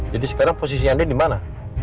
jadi sekarang posisi andin dimana